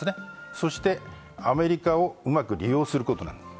そしてアメリカをうまく利用することなんです。